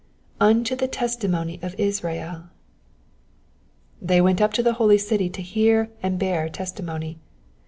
''''Unto the testimony of IsraeL''^ They went up to the holy city to hear and to bear tejstimony.